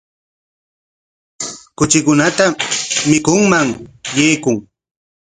Kuchikunata chikunman qaykun.